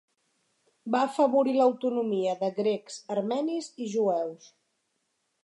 Va afavorir l'autonomia de grecs, armenis i jueus.